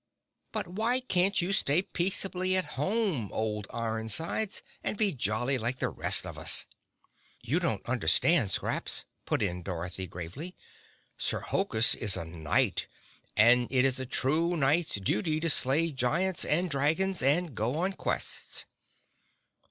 "But why can't you stay peaceably at home, old Iron Sides, and be jolly like the rest of us?" "You don't understand, Scraps," put in Dorothy gravely. "Sir Hokus is a Knight and it is a true Knight's duty to slay giants and dragons and go on quests!"